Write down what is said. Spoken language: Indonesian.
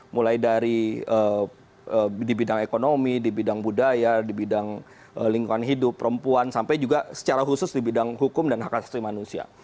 mulai dari di bidang ekonomi di bidang budaya di bidang lingkungan hidup perempuan sampai juga secara khusus di bidang hukum dan hak asasi manusia